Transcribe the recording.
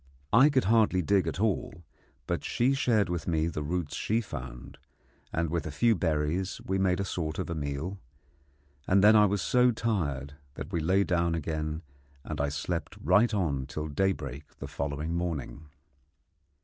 I could hardly dig at all, but she shared with me the roots she found, and with a few berries we made a sort of a meal; and then I was so tired that we lay down again, and I slept right on till daybreak the following morning.